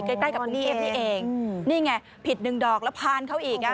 ใกล้ใกล้กับกรุงเทพนี่เองนี่ไงผิดหนึ่งดอกแล้วพานเขาอีกอ่ะ